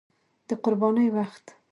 د قربانۍ وخت